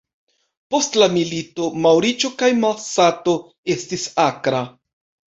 Post la milito malriĉo kaj malsato estis akra.